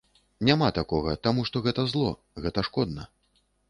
Няма такога, таму што гэта зло, гэта шкодна.